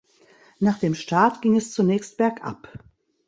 Nach dem Start ging es zunächst Bergab.